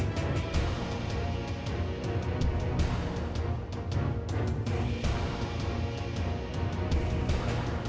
เธ่หายไปข้างหน้ากันเป้าหมาย